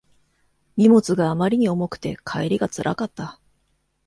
荷物があまりに重くて帰りがつらかった